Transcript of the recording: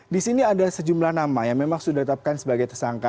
di sini ada sejumlah nama yang memang sudah ditetapkan sebagai tersangka